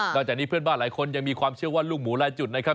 จากนี้เพื่อนบ้านหลายคนยังมีความเชื่อว่าลูกหมูหลายจุดนะครับ